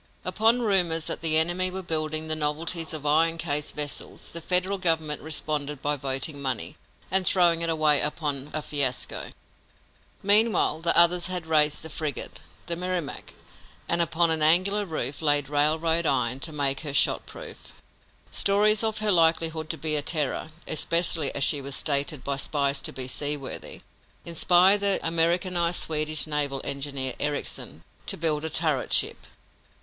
Upon rumors that the enemy were building the novelties of iron cased vessels, the Federal government responded by voting money and throwing it away upon a fiasco. Meanwhile, the others had razeed a frigate, the Merrimac, and upon an angular roof laid railroad iron to make her shot proof. Stories of her likelihood to be a terror, especially as she was stated by spies to be seaworthy, inspired the Americanized Swedish naval engineer, Ericsson, to build a turret ship.